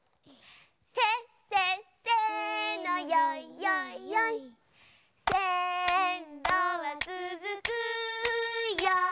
せっせっせのよいよいよい「せんろはつづくよ